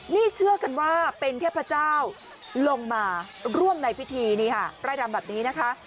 นี่เชื่อกันว่าเป็นเทพเจ้าลงมาร่วมในภิธีนี้ค่ะ